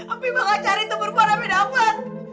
api bakal cari tuh perempuan api dapet